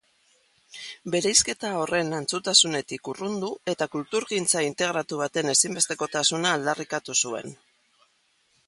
Bereizketa horren antzutasunetik urrundu eta kulturgintza integratu baten ezinbestekotasuna aldarrikatu zuen.